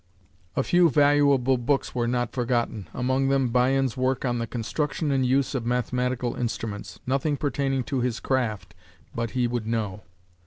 A few valuable books were not forgotten, among them Bion's work on the "Construction and Use of Mathematical Instruments" nothing pertaining to his craft but he would know.